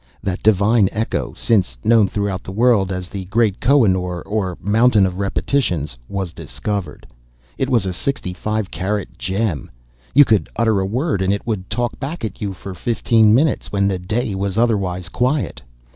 That divine echo, since known throughout the world as the Great Koh i noor, or Mountain of Repetitions, was discovered. It was a sixty five carat gem. You could utter a word and it would talk back at you for fifteen minutes, when the day was otherwise quiet.